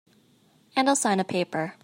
And I'll sign a paper.